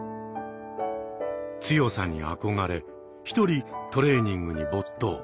強さに憧れ一人トレーニングに没頭。